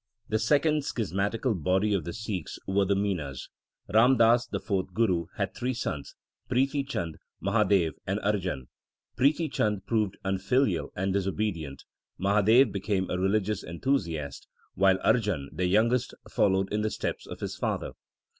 The second schismatical body of the Sikhs were the Minas. Ram Das, the fourth Guru, had three sons, Prithi Chand, Mahadev, and Arjan. Prithi Chand proved unfilial and disobedient, Mahadev became a religious enthusiast, while Arjan, the youngest, followed in the steps of his father.